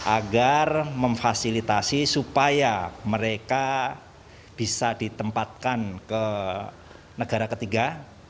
agar memfasilitasi supaya mereka bisa ditempatkan ke negara ketiga